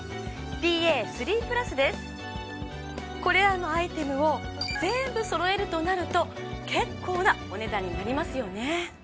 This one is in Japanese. これらのアイテムを全部揃えるとなると結構なお値段になりますよね。